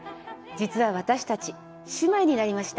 実は私たち姉妹になりました。